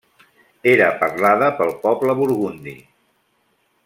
Era parlada pel poble burgundi.